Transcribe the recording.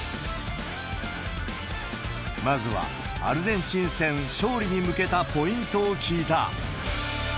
まずはアルゼンチン戦勝利に向けたポイントを聞いた。